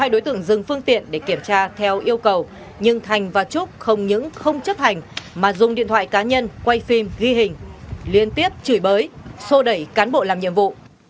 đối tượng dừng phương tiện để kiểm tra theo yêu cầu nhưng thành và trúc không những không chấp hành mà dùng điện thoại cá nhân quay phim ghi hình liên tiếp chửi bới sô đẩy cán bộ làm nhiệm vụ